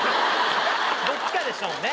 どっちかでしょうね。